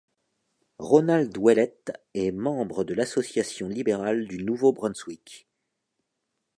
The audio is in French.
Ronald Ouellette est membre de l'Association libérale du Nouveau-Brunswick.